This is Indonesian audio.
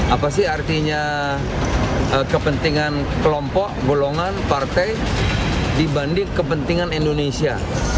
apa sih artinya kepentingan kelompok golongan partai dibanding kepentingan indonesia